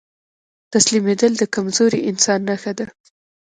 تسليمېدل د کمزوري انسان نښه ده.